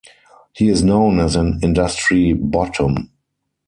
He is known as an industry bottom.